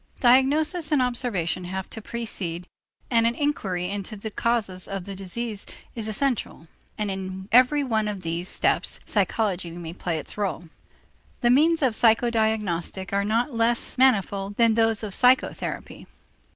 Diagnosis and observation have to precede, and an inquiry into the causes of the disease is essential, and in every one of these steps psychology may play its rôle. The means of psychodiagnostic are not less manifold than those of psychotherapy.